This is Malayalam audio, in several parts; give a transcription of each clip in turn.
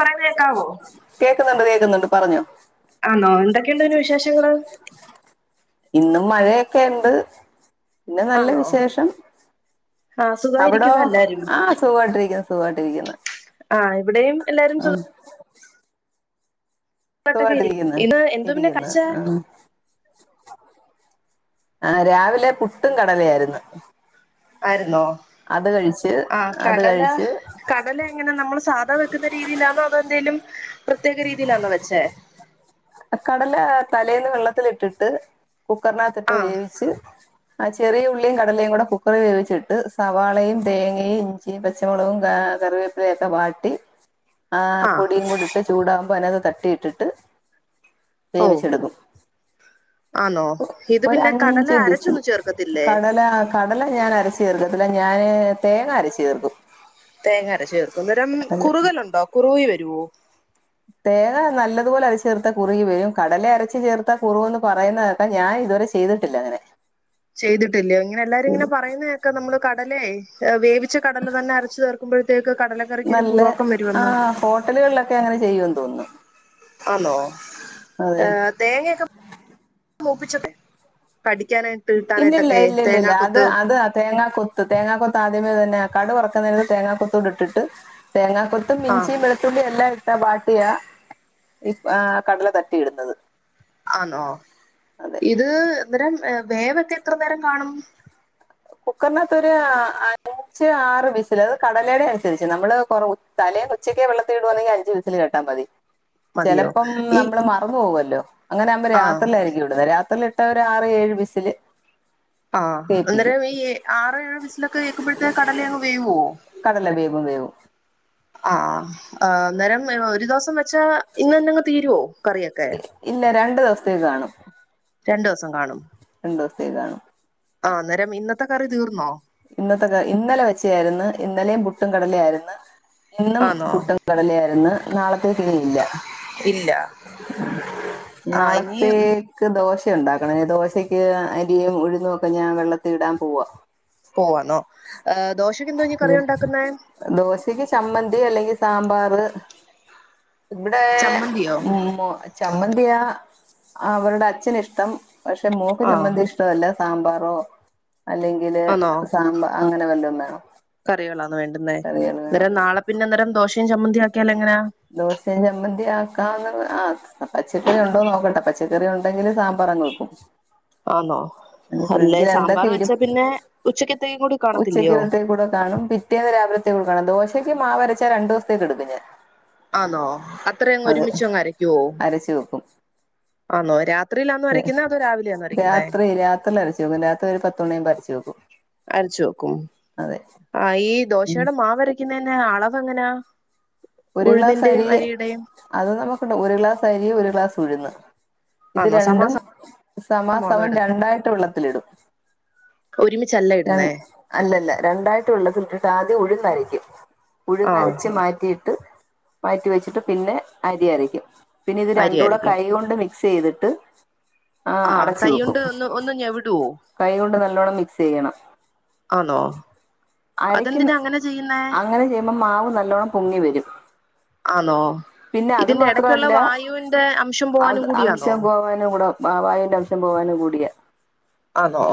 പറയുന്ന കേക്കാവോ കേക്കുന്നുണ്ട് കേക്കുന്നുണ്ട് പറഞ്ഞോ ആണോ എന്തൊക്കെയുണ്ട്ന്ന് വിശേഷങ്ങള് ഇന്നും മഴയൊക്കെ ഉണ്ട് പിന്നെ നല്ല ആന്നോ വിശേഷം ആ അവിടോ സുഖായിരിക്കുന്നു എല്ലാരും ആഹ് സുഖയിട്ടിരിക്കുന്നു സുഖയിട്ടിരിക്കുന്നു. ആഹ് ഇവിടെയും എല്ലാരും ചൊ സുഖമായിട്ടൊക്കെ ഇരിക്കും സുഖായിട്ടിരിക്കുന്നു ഇന്ന് എന്തോ പിന്നെ ഇരിക്കുന്ന കഴിച്ച ആഹ് ആഹ് രാവിലെ പുട്ടും കടലയായിരുന്നു. ആയിരുന്നോ അത് കഴിച്ച് ആ അത് കടല കഴിച്ച് കടല എങ്ങനെ നമ്മള് സാധ വെക്കുന്ന രീതിയിലാണോ അതോ എന്തേലും പ്രത്യേക രീതിയിലാന്നോ വെച്ചേ കടല തലേന്ന് വെള്ളത്തിലിട്ടിട്ടു കുക്കറിനകത്തിട്ട് ആ വേവിച്ച് ചെറിയ ഉള്ളിയും കടലയും കൂടെ കുക്കർ വേവിച്ചിട്ട് സവാളയും തേങ്ങയും ഇഞ്ചി പച്ചമുളകും കാ കറി. [unintelligible] വാട്ടി ആ പോടിം കൂടി ഇട്ട് ചൂടാവുമ്പോ അതിനകത്ത് തട്ടി ഇട്ടിട്ട് ഓ വേവിച്ചെടുക്കും. ആന്നോ ഒ ഇത് പിന്നെ കടല ഒരഞ്ച് ബിസിൽ അരച്ചൊന്നും ചേർക്കത്തില്ലേ കടല കടല ഞാന ചേർക്കത്തില്ല ഞാന് തേങ്ങ അരച്ച് ചേർക്കും തേങ്ങരച്ച് ചേർക്കും അന്നേരം അത് കുറുകല്ണ്ടോ കുറുകി വരോ. തേങ്ങ നല്ലതുപോലെ അരച്ചു ചേർത്ത കുറുകി വരും കടല അരച്ചു ചേർത്ത കുറുന്ന് പറയുന്നതൊക്കെ ഞാൻ ഇതുവരെ ചെയ്തിട്ടില്ല അങ്ങനെ ചെയ്തിട്ടില്ലേ ഇങ്ങനെ എല്ലാരും ഇങ്ങനെ ചെയ്തു പറയുന്നതേക്ക നമ്മള് കടലേ വേവി വിച്ച കടല് തന്നെ അരച്ചു ചേർക്കുമ്പോഴത്തേക്ക് കടലക്കറിക്കൊരു നല്ല കുറുവാക്കം ആ വരുവെന്ന് ഹോട്ടലുകളിലൊക്കെ അങ്ങനെ ചെയ്യുമെന്ന് തോന്നുന്നു. ആന്നോ അതെ ഏ തേങ്ങൊക്കെ മൂപ്പിച്ചട്ടെ കടിക്കാനായി ഇല്ല ഇല്ല ഇല്ല ഇല്ല ഇല്ല അത് അത് തേങ്ങാ കൊത്ത് തേങ്ങ കൊ ആദ്യമേ തന്നെ കട വറുക്കുന്ന തേങ്ങാ കൊത്തൂട് ട്ടിട്ട് തേങ്ങാ കൊത്തും ആ ഇഞ്ചി വെളുത്തുള്ളി എല്ലാം ഇട്ടാ വാട്ടിയാ ഈ ആ കടല തട്ടിയിട്ന്നത് ആണോ ഇത് അന്നേരം വേവൊക്കെ എത്ര നേരം കാണും കുക്കറിനത്തൊര് ആ അൻ ഞ്ച ആറ് വിസിൽ അത് കടലയുടെ അനുസരിച്ച് നമ്മള് തലേ ഉച്ചക്കേ വെള്ളത്തി ഇടുവാന്നെങ്കിൽ അഞ്ച് വിസില് മതി മതിയോ ചെലപ്പം ഈ നമ്മള് മറന്ന് പോകല്ലോ അങ്ങനെ ആവുമ്പോ ആ രാത്രി ആയിരിക്കും ഇടുന്നത് രാത്രി ഇട്ട ഒര് ആറ് ഏഴ് വിസില് ആഹ് വേവിപ്പിക്കും അന്ന് ഏ ആറ് ഏഴ് വിസിലൊക്കെ കേക്കുമ്പോത്തേനും കടല അങ്ങ് വേവോ കടല വേവും വേവും ആ ആ അനേരം ഒര്ദിവസം വെച്ചാ ഇന്ന് തന്നെങ്ങ് തീരുവോ കറിയൊക്കെ ഇല്ല രണ്ട് ദിവസത്തേക്ക് കാണും രണ്ടു ദിവസം കാണും രണ്ടു ദിവസത്തേക്ക് കാണും ആന്നേരം ഇന്നത്തെ കറി തീർ ഇന്നത്തെ ഇന്നലെ വെച്ച ആയിര്ന്ന് ഇന്നലേം പുട്ടും കടലേം ആയിര്ന്ന് ഇന്നും ആന്നോ പുട്ടും കടലേം ആയിര്ന്ന് നാളത്തേക്കിനിയില്ല ഇല്ല ആഹ് ഇനി നാളത്തേക്ക് ദോശ ഉണ്ടാക്കണം ദോശക്ക് അരിയും ഉഴുന്നൊക്കെ ഞാൻ വെള്ളത്തി ഇടാൻ പോവാ പോവാന്നോ ഏഹ് ദോശക്ക് എന്തോ ഇനി അതെ കറി ഉണ്ടാക്കുന്നേ ദോശക്ക് ചമ്മന്തി അല്ലെ സാമ്പാറ് ഇവടേ ചമ്മന്തിയോ മോ ചമ്മന്തിയാ അവര്ടെ അച്ഛനിഷ്ട്ടം പക്ഷെ മോക്ക് ആഹ് ചമ്മന്തി ഇഷ്ട്ടമല്ല സാമ്പാറോ അല്ലെങ്കില് ആന്നോ സാമ്പാ അങ്ങനെ വല്ലോം വേണം കറികളാണ് വേണ്ടുന്നേ കറികൾ വേണം നാളെ പിന്നെന്നേരം ദോശയും ചമ്മന്തി ആ ക്കിയാലോ ദോശേം ചമ്മന്തിയാക്കാ ആഹ് പച്ചക്കറി ഉണ്ടോനോക്കട്ടെ പച്ചക്കറി ഉണ്ടെങ്കില് സാമ്പാറങ് വെക്കും ആന്നോ അ അല്ലേ ഫ്രിഡ്ജിൽ സാമ്പാർ എന്തൊക്കെ വെച്ചാ ഇരുപ്പ് പിന്നെ ഉച്ചക്കത്തേക്കും കൂടി കാണത്തില്ലയോ ഉച്ചക്കത്തേ കൂടെ കാണും പിറ്റേന്ന് രാവിലത്തെ ദോശക്ക് മാവരച്ചാ രണ്ടു ദിവസത്തേക്ക്ക്കെട്ക്കും ഞാൻ ആന്നോ അത്ര അങ്ങ് അതെ ഒരുമിച്ചങ്ങരക്കുവോ അരച്ചു വെക്കും ആന്നോ എത്ര രാത്രി രാത്രിൽ അരച്ചു വെക്കും രാത്രി ഒരു പത്തുമണിയാകുമ്പോ അരച്ച് വെക്കും. അരച്ചു വെക്കും അതെ ആഹ് ഈ ഉം ദോശേടെ മാവരയ്ക്കുന്നേ പിന്നെ അളവെങ്ങനാ ഒര് ഗ്ലാസരി അത് നമുക്ക്ണ്ട് ഒര്ഗ്ലാസ് അരിക്ക് ഒരര് ഗ്ലാസ് ഉഴുന്ന് ഇത് ആന്നോ രണ്ടും സമാസ മോനോ സമാസമം ഇട രണ്ടായിട്ട് വെള്ളത്തിലിടും ഒരുമിച്ചല്ല രൺ ഇടുന്നേ അല്ലല്ല രണ്ടായിട്ട് വെള്ളത്തിലിട്ട്ട്ട് ആദ്യം ഉഴ്ന്നരയ്ക്കും ആഹ് ഉഴ്ന്നരച്ച് മാറ്റി മാറ്റി വെച്ചിട്ട് പിന്നെ അരി അരക്കും പിന്നെ ഇത് അരി രണ്ടൂടെ അരയ്ക്കും കൈ കൊണ്ട് സെയ്തിട്ട്, ആ, ആഹ് അടച്ചു വെക്കും, കൈകൊണ്ട് ഒന്ന് ഒന്ന് കൈ കൊണ്ട് നല്ലോം ആണോ. അരക്ക്ന്ന്, അങ്ങനെ, ചെയ്യുമ്പം, മാവ്, നല്ലോണ്ണം, പൊങ്ങിവരും. ആന്നൊ, ഇതിന്റെ എടക്കുള്ള, വായുന്റെ, അംശം പോവാനും, കൂടിയാന്നൊ ആ, വായുന്റെ, അംശം, പോവാനു കൂടിയ ആന്നോ,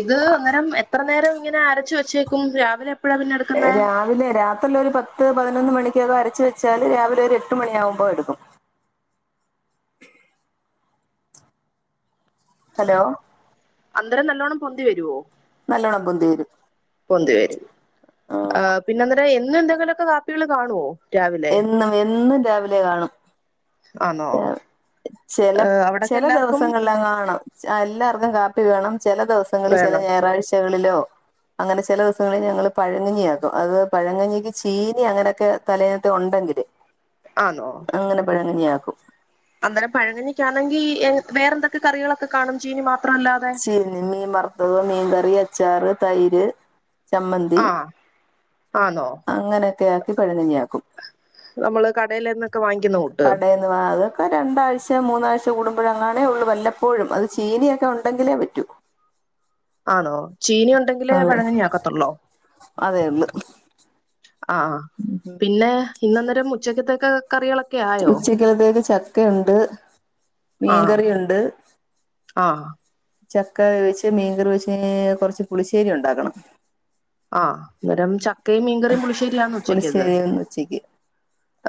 ഇത് അന്നേരം, എത്ര നേരം, ഇങ്ങനെ അരച്ച്, വെച്ചേക്കും, രാവിലെ എപ്പഴാ പിന്നെ എടുക്കുന്നേ രാവിലെ, രാത്രില്ല, ഒരു പത്ത്, പതിന പതിനൊന്ന്, മണിക്കകെ, അരച്ചു വെച്ചാല്, രാവിലെ ഒരു, എട്ട് മണിയാവുമ്പോ, എടുക്കും. ഹലോ. അന്നേരം നല്ലോണ്ണംപൊന്തി വരുവോ നല്ലോണം, പൊന്തിവരും. ന്തിവരുംപിന്നെ അന്നേരംഎന്നു എന്തെങ്കിലുമൊക്കെ കാപ്പികൾ കാണുവോ രാവിലെ എന്നും, എന്നും, രാവിലെ, കാണും. ആന്നോ ആ, ചെല, ഏഹ് അവിടൊക്കെ ചെല എല്ലാർക്കും ദിവസങ്ങളല്ലാം കാണാം. എല്ലാർക്കും, കാപ്പി വേണം, ചെല ദിവസങ്ങളിൽ, ചില, വേണം ഞായറാഴ്ചകളിലോ അങ്ങനെ, ചില ദിവസങ്ങലിൽ, ഞങ്ങള്, പഴങ്ങഞ്ഞിയാക്കും, അത് പഴങ്ങഞ്ഞിക്ക്, ചീനി അങ്ങനെയൊക്കെ, തലേനത്തെ, ഉണ്ട ങ്കിൽ, ആന്നോ അങ്ങനെ പഴങ്കഞ്ഞിആക്കും അന്നേരം, പഴങ്ങിനക്കാണെങ്കിൽ, എ, വേറെ എന്തൊക്കെ, കറികളൊക്കെ, കാണും, ചീനി മാത്രം ച്ച്, മീൻ, വറുത്തത്, മീൻ കറി, അച്ചാറ്, തൈര്, ചമ്മന്തി ആഹ് ആന്നോ അങ്ങനെയൊക്കെ, ആക്കി, പഴങ്കഞ്ഞി ആക്കും. നമ്മള് കടേലന്നൊക്കെ വാങ്ങിക്കുന്ന കൂട്ട് കാടെന്നു, വാ അതൊക്കെ, രണ്ടാഴ്ച, മൂന്നാഴ്ച കൂടുമ്പോഴങ്ങണേ, ഉള്ളൂ, വല്ലപ്പോഴും, അത് ചീനിയൊക്കെ, ഉണ്ടെങ്കിലേ, പറ്റൂ. ആണോ, ചീന ഉണ്ടെങ്കില്, അതെ പഴങ്കന്നി, ആക്കത്തുള്ളോ അതേ ഉള്ളു ആ, ആ, പിന്നെ, ഇന്നന്നരം, ഉച്ചക്കത്തേക്കെ ഉച്ചക്കത്തേക്ക്, ചക്ക ക്കഒക്കെുണ്ട്, ആഹ് മീൻകറിയുണ്ട് ആഹ് ചക്ക, വെച്ച് മീൻകറി, വെച്ച്, കുറച്ച് പുളി്ശേരി, ഉണ്ടാക്കണം.. ആഹ്, അന്നേരം, ചക്കയും, മീൻകറിയും, പുളിശ്ശേരിയാണ് ഉച്ചക്കത് പുളിശ്ശേരി ഇന്ന് ഉച്ചക്ക്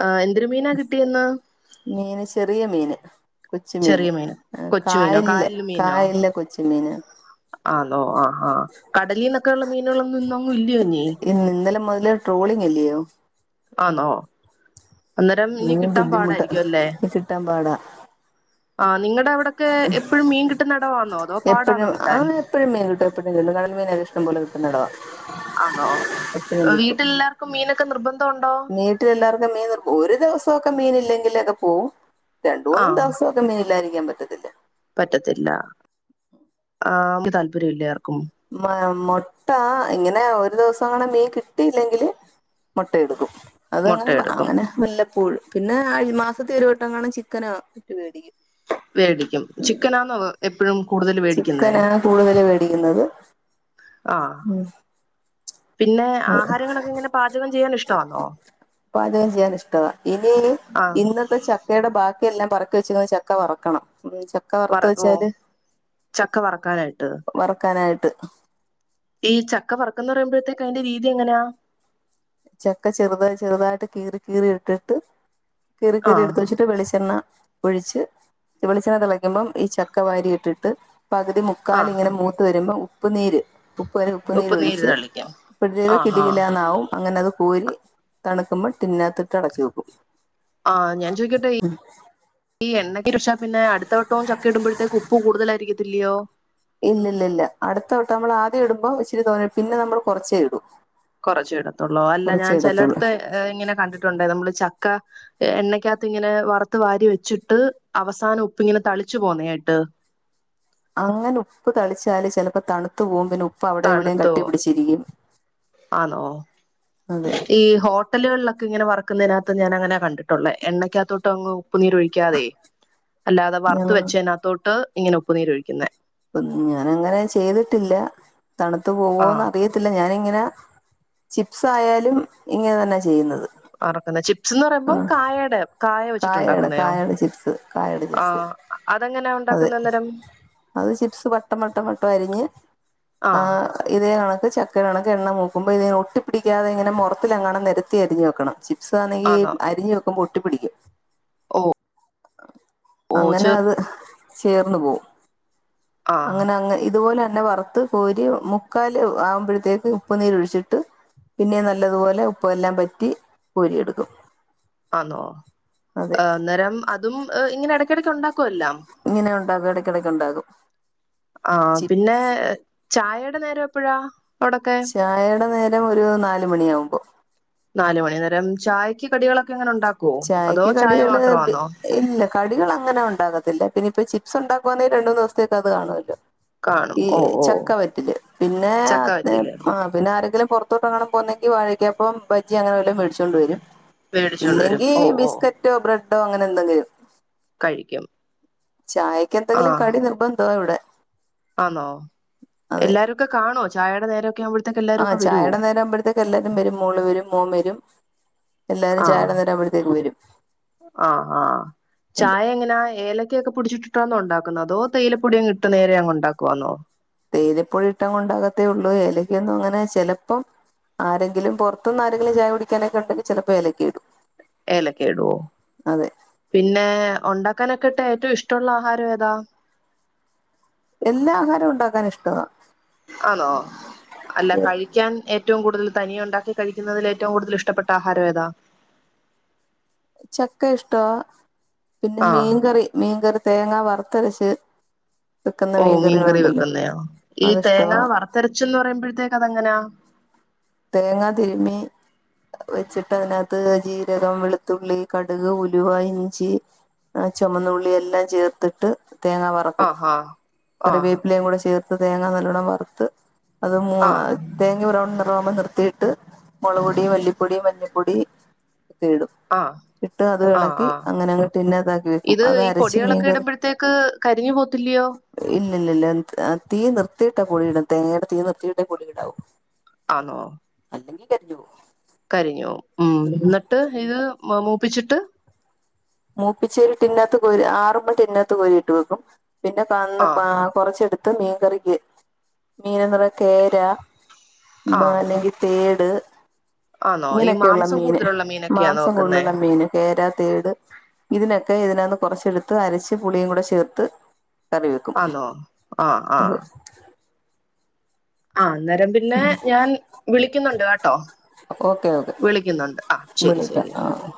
ആഹ, എന്തൊരു മീനാ, കിട്ടിയന്ന കൊച്ച്, മീന്, കായല്ല, കായല്ല കൊച്ച് മീന് ആണോ, ആ, ആഹ്, കടലിൽന്നൊക്കെ, ഉള്ള മീനൊളൊന്നും, ന്നാങ്, ഇല്ലയോ നീ ഇന്ന് ഇന്നലെ മുതല് ട്രോളിങ് അല്ലയോ ആന്നോ, അന്നേരം, ഇനി കിട്ടാൻ, പാടായിരിക്കുവ അല്ലേ കിട്ടാൻ പാടാ ആ, നിങ്ങടെ, അവിടെക്കെ, എപ്പഴും, മീൻ കിട്ടുന്നവെടവാന്നോ, അതോ, എപ്പോഴും പാടാന്നോ ആ കിട്ടാൻ എപ്പോഴും മീൻ [unintelligible] കിട്ടുന്നിടവാ ആണോ, വീട്ടിൽല്ലാർക്കും മീനൊക്കെ, നിർബന്ധ വീട്ടിലെല്ലാർക്കും, മീന്, നി, ഒരു ദിവസമൊക്കെ, മീൻ ഇല്ലെങ്കിലൊക്കെ, പോവും രണ്ട്, ആ മൂന്നും ദിവസമൊക്കെ, മീനില്ലാതിരിക്കാൻ, പറ്റത്തില്ല പറ്റത്തില്ല, ആ, [unintelligible] താല്പര്യമില്ല മ്മ ആ മുട്ട, ഇങ്ങനെ, ഒരു ദിവസം, അങ്ങനെ, മീൻ കിട്ടിയില്ലെങ്കില്, മുട്ട എടുക്കും. മുട്ട അതങ്ങനെ, എടുക്കും അങ്ങനെ, വല്ലപ്പോഴും, പിന്നെ മാസത്തി, ഒരു വട്ടം, ചിക്കന ഇട്ട് പേടിക്കും. വേടിക്കും, ചിക്കനാന്നൊ, എപ്പോഴും ചിക്കനാണ്, കൂടുതൽ, മേടിക്കുന്നത്, ആ ഉം പിന്നെ, അത് ആഹാരങ്ങളൊക്കെ, ഇങ്ങനെ പാചകം, ചെയ്യാനിഷ്ടമാന്നോ പാചകം, ചെയ്യാൻ, ഇഷ്ടവാ, ഇനി, ആ ഇന്നത്തെ, ചക്കയുടെ, ബാക്കി ക്കിയെല്ലാം, പറക്ക വെച്ചന്ന്, ചക്ക വറക്കണം ഉം, ചക്ക വറക്കുവോ? വറുത്തച്ചാല്, ചക്ക വറക്കാനായിട്ട്. വറക്കാനായിട്ട് ഈ, ചക്ക, വറക്കന്ന്, പറയുമ്പോഴത്തേക്ക, അതിന്റെ രീതി എങ്ങനെയാ. ചക്ക ചെറുത ചെറുതായിട്ട് കീറി കീറി ഇട്ടിട്ട് കീറി ആ കീറി എടുത്ത് വച്ചിട്ട് വെളിച്ചെണ്ണ ഒഴിച്ച് വെളിചെന തിളക്കുമ്പം ഈ ചക്കവാരി ഇട്ടിട്ട് പകുതി ആ മുക്കാലിങ്ങനെ മൂത്ത് വരുമ്പോ ഉപ്പ്നീര് ഉപ്പ് വരെ ഉപ്പ് നീര് ഒഴിച്ച് [unintelligible] കിട് ആഹാ കിഡാ ന്നാവും അത് കൂരി തണുക്കുമ്പോൾ ടിന്നകത്തിട്ട് അടച്ച് വെക്കും ആ ഞാൻ ചോയ്ക്കട്ടെ ഇ ഇ എണ്ണ രുഷ പിന്നെ അടുത്തവട്ടവും ചക്ക ഇടുമ്പോഴത്തേക്ക് ഉപ്പ് കൂടുതലായിരിക്കത്തില്ലയോ ഇല്ലല്ല ഇല്ല അടുത്തവട്ടം നമ്മൾ ആദ്യം ഇടുമ്പോ ഇച്ചിരി തോന്ന പിന്നെ നമ്മൾ കുറച്ചേ ഇടും കുറച്ചു ഇടത്തുള്ളൂ അല്ല കുറച്ചേ ഞാൻ ഇടത്തുള്ളൂ ചിലയിടത്ത് ഇങ്ങനെ കണ്ടിട്ടുണ്ട് നമ്മള് ച ക്ക എണ്ണയ്ക്കകത്ത് ഇങ്ങനെ വറുത്ത് വാരി വെച്ചിട്ട് അവസാനം ഉപ്പി ഇങ്ങനെ തളിച്ചു പോന്നായിട്ട് [inaudible] അങ്ങനെ ഉപ്പ് തളിച്ചാല് ചിലപ്പോ തണുത്തു പോകും പിന്നെ ഉപ്പ് അവിടെ ഇവിടെയും തണുത്തോ കട്ടി പിടിച്ചിരിക്കും ആണോ അതെ ഈ ഹോട്ടലുകളിലൊക്കെ ഇങ്ങനെ വ വറക്കുന്നതിനകത്ത് ഞാനൻങ്ങന കണ്ടിട്ടുള്ള എണക്കകത്തോട്ട അങ്ങ് ഉപ്പുനീര് ഒഴിക്കാതെ അല്ലാതെ ഞാ വറുത്ത് വെച്ചതിനകത്തോട്ട് ഇങ്ങനെ ഉപ്പുനീരൊഴിക്കുന്ന അം ഞാനങ്ങനെ ചെയ്തിട്ടില്ല തണുത്ത പോവോന്ന് ആഹ് അറിയത്തില്ല ഞാാനിങ്ങനെ ചിപ്സ് ആയാലും ഇങ്ങനെ തന്നെ ചെയ്യുന്നത് വരക്കാണ് ചിപ് ന്ന് പറയുമ്പോ ആ കായയുടെ കായ കായയുടെ വെച്ചിട്ടുണ്ടാക്കുന്നോ കായയുടെ ചിപ്സ് കായയുടെ ആ ചിപ്സ് അതെങ്ങനെയ അതെ ഉണ്ടാക്കുന്ന അന്നരം അത് ചിപ്സ് പട്ടം പട്ടം പട്ടം അരിഞ്ഞ് ആ ആഹ് ഇതേ കണ അത് ചക്കരണംക്ക എണ്ണ മൂക്കുമ്പോ ഇതിനെ ഒട്ടിപ്പടിക്കാതെ ഇങ്ങെ മുറത്തിത്തിലെങ്ങാണം നിരത്തി അരിഞ്ഞു വെക്കണം ചിപ്സ് ആനങ്കിൽ ആന്നോ? താക്ബോ ഓട്ടി പിടിക്കും ഓ ഓ അങ്ങനെ ചെ അത് ചേർന്ന് പോകും ആഹ്. അങ്ങനെ അങ് ഇതുപോലെ തന്നെ വറുത്ത് കോരി മുക്കാൽ ആവുമ്പോഴത്തേക്ക് ഉപ്പ്നീര് ഒഴിച്ചിട്ട് പിന്നെ നല്ലതുപോലെ ഉപ്പെല്ലാം പറ്റി കോരിയെടുക്കും ആന്നോ അതെ ആ അന്നേരം അതും ഇങ്ങനെ ഇടക്കടക്ക് ഉണ്ടാക്ക ക്കുല്ലെ ഇങ്ങനെ ഉണ്ടാക്കും ഇടക്കിടക്ക് ഉണ്ടാക്കും അ ചി പിന്നെ ചായടെ നേര എപ്പഴാ അവിടൊക്കെ? ചായയുടെ നേരം ഒരു നാൽ മണിയ ആവുമ്പോ നാല് മണി നേരം ചായയ്ക്ക് കടികളൊക്കെങ്ങെനെ ഉണ്ടാ ചായക്ക് കടികള് ഇല്ല കടികൾ അങ്ങനെ ഉണ്ടാകത്തില്ല പിന്ന ഇപ്പൊ ചിപ്സ്ണ്ടാക്കവാ രണ്ടൂ ദിവത്തക്ക അത് കാണുമല്ലോ കാണും. ഈ ഓ ഓ ചക്കവറ്റില് പിന്നെ ചക്ക വറ്റില് പിന്നെ ആരെങ്കിലുംറത്ത് ത്ത് കാണുമ്പോ ഒന്നങ്കിൽ വഴക്കപ്പം ബജി അങ്ങനെവല്ലതും മേടിച്ചൊണ്ട് വരും മേടിച്ചുകൊണ്ട് വരും ഇ ഓ ഓ ബിസ്ക്കറ്റോ ബ്രെഡോ അങ്ങനെ എന്തെങ്കിലും കഴിക്കും ചായക്ക് എന്തെങ്കിലും ആഹ് കടി നിർബന്ധോ ഇവിടെ ആന്നോ എല്ലാരും ഒക്കെ കാണോ ചായയുടെ നേരമൊക്കെ ആവുബായി ആചായയുടെ നേരാമ്പോഴത്തേക്ക് എല്ലാരും വരും മോൾ വരും മോൻ വരും എല്ലാരും അ ചായയുടെ നേരം ആവുമ്പഴത്തേക്ക് വരും അ അ അതെ ചായ എങ്ങനാ ഏല ക്കെ പിടിച്ചിട്ടിട്ടാന്നോ ഉണ്ടാക്കുന്നത് അതോ തേയിലപൊടിയങ് ഇട്ട് നേരെ അങ് ഉണ്ടാക്കുവാന്നോ തേയിലപൊടി ഇട്ട കൊണ്ടാകത്തേ ഉള്ളൂ ഏലക്കൊന്നും അങ്ങനെ ചെലപ്പം ആരെങ്കിലും പുറത്തുനിന്ന് ആരെങ്കിലും ചായ കുടിക്കാനൊക്കെ ഉണ്ടെങ്കിൽ ചിലപ്പോ ഇലക്കെ ഇടും ഏലക്കെ ഇടുവോ അതെ പിന്നെ ഉണ്ടാക്ക അക്കനൊക്കെട്ടെ ഏറ്റവും ഇഷ്ടമുള്ള ആഹാരം ഏതാ എല്ലാ ആഹാരവും ഉണ്ടാക്കാൻ ഇഷ്ടവാ ആണോ അല്ല കഴിക്കാൻ യെ ഏറ്റവും കൂടുതൽ തനിയ ഉണ്ടാക്കി കഴിക്കുന്നതിൽ ഏറ്റവും കൂടുതൽ ഇഷ്ടപ്പെട്ട ആഹാരം ഏതാ ചക്ക ഇഷ്ടോ പിന്നെ ആഹ് മീൻകറി മീൻകറി തേങ്ങാ വറുത്ത ത്തരശ ഓ മീൻകറി വെക്കുന്നോ ഈ തേങ്ങ അതിഷ്ടവാ വറുത്തെരച്ചന്ന് പറയുമ്പോഴത്തേക്ക് അതെങ്ങനെയാ തേങ്ങാ തിരുമ്മി വെച്ചിട്ട് അതിനകത്ത് ജീരകം വെളുത്തുള്ളി കടുക് ഉലുവ ഇഞ്ചി ആ ചുവന്നുള്ളിെല്ലാം ചേർത്തിട്ട് തേങ്ങ വറക്കും. ആഹ് ആഹ് ആഹ് കറിവേപ്പിലേയും കൂടെ ചേർത്ത് തേങ്ങ നല്ലവണ്ണം വറ്ത്ത് അത് മൂ ആഹ് തേങ്ങ ബൗൺ നെ റാമ്പോ നിർത്തിയിട്ട് മൊളപൊടി, വല്ലിപ്പൊടി, മഞ്ഞപ്പൊടി ത്തിരിടും. ആഹ് ഇട്ട് അത് ആഹ് എളക്കി ആഹ് അങ്ങനെ അങ്ങിട്ട് ഇന്നെ ഇതാക്കി വെക്കും. ഇത് അത് ഈ അരച്ച് പൊടികളൊക്കെ മീൻകറി ഇടുമ്പോഴത്തേക്ക് കരിഞ്ഞു പോത്തില്ലയോ ഇല്ലല്ലല്ല തീ നിർത്തിയിട്ട് പൊ ടിയിടും. തേങ്ങയുടെ തീ നിർത്തിയിട്ടേ പൊടിയിടാവൂ. ആന്നോ? അല്ലെങ്കി കര്ഞ്ഞ് പോവും. കരിഞ്ഞോവും ഉം ന്നട്ട് ഇത് മൂപ്പിച്ചിട്ട് മൂപ്പിച്ചേല് ടിന്നകത്ത് കോരി ആറുമ്പോ ടിന്നകത്ത് കോരി ഇട്ട് വെക്കും. പിന്നെ ആഹ് [unintelligible] കൊറച്ചെടുത്ത് മീൻകറിക്ക് മീനന്ന് പറ കേര ആഹ് അല്ലെങ്കി തേട് ആണോ ഈ ഇങ്ങനെയൊക്കെയുള്ള മാംസം മീന് കൂടുതലുള്ള മീനൊക്കെയാണോ മാംസം വെക്കുന്ന കൂടുലുള്ള മീന് കേര തേട് ഇതിനൊക്കെ ഇതിനാന്ന് കൊറച്ചെടുത്ത് അരച്ച് പുളിയും കൂടെ ചേർത്ത് കറി വെക്കും ആന്നോ ആഹ് ആഹ് അതെ ആഹ് അന്നേരം പിന്നെ ഞാൻ വിളിക്കുന്നുണ്ട് ആട്ടോ ഓക്കെ ഓക്കെ വിളിക്കുന്നുണ്ട് ആഹ് ശരി വിളിക്കാം ശരി ആ